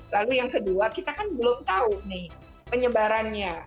lalu yang kedua kita kan belum tahu nih penyebarannya